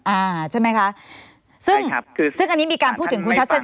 อ่าใช่ไหมคะซึ่งครับคือซึ่งอันนี้มีการพูดถึงคุณทัศน